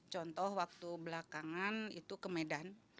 contoh waktu belakangan itu ke medan